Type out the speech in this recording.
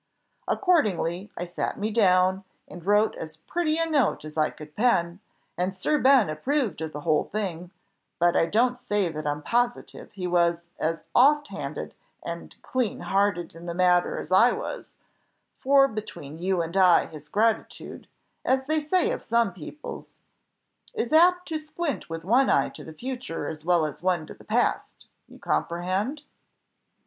Accordingly, I sat me down, and wrote as pretty a note as I could pen, and Sir Ben approved of the whole thing; but I don't say that I'm positive he was as off handed and clean hearted in the matter as I was, for between you and I his gratitude, as they say of some people's, is apt to squint with one eye to the future as well as one to the past you comprehend?"